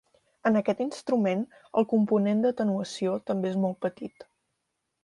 En aquest instrument, el component d'atenuació també és molt petit.